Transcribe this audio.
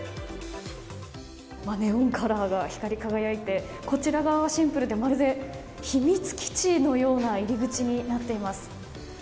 ネオンカラーが光り輝いてこちら側はシンプルでまるで秘密基地のような入り口になっています。